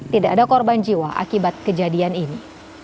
tidak ada korban jiwa akibat kejadian ini